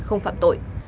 không phạm tội